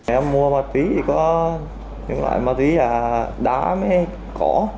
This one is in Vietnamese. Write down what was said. em mua ma túy thì có những loại ma túy là đá mới có